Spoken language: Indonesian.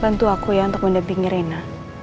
bantu aku ya untuk mendampingi rina